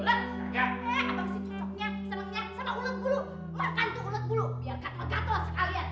eh abang sih cocoknya senangnya sama ulet bulu makan tuh ulet bulu biar gatel gatel sekalian